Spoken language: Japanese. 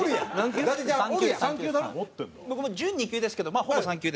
僕も準２級ですけどまあほぼ３級です。